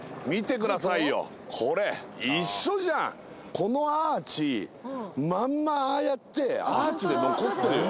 このアーチまんまああやってアーチで残ってるよ。